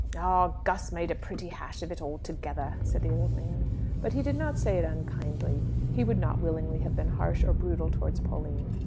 "Ah! Gus made a pretty hash of it altogether," said the old man. But he did not say it unkindly. He would not willingly have been harsh or brutal towards Pauline.